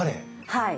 はい。